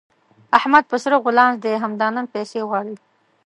احمد په سره غولانځ دی؛ همدا نن پيسې غواړي.